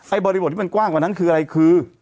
บริบทที่มันกว้างกว่านั้นคืออะไรคือ